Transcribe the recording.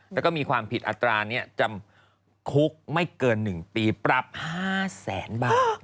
แล้วก็มีความผิดอัตรานี้จำคุกไม่เกิน๑ปีปรับ๕แสนบาท